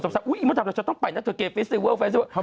สมศักดิ์ชะลาชนต้องไปนะเธอเกย์เฟสติเวิล